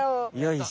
いや。